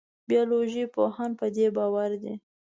بیولوژي پوهان په دې باور دي.